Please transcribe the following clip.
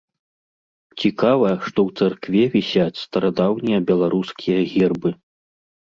Цікава, што ў царкве вісяць старадаўнія беларускія гербы.